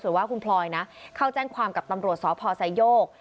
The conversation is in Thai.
แต่ว่าคุณพลอยนะเขาแจ้งความกับตำรวจศพสายโยก